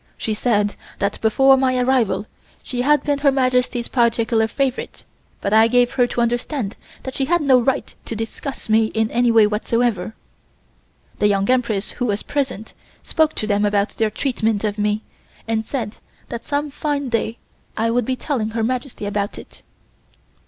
She said that before my arrival she had been Her Majesty's particular favorite, but I gave her to understand that she had no right to discuss me in any way whatsoever. The Young Empress, who was present, spoke to them about their treatment of me and said that some fine day I would be telling Her Majesty about it.